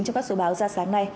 trong các số báo ra sáng nay